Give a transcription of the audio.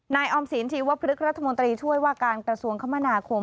ออมศีลชีวพฤกษ์รัฐมนตรีช่วยว่าการกระทรวงคมนาคม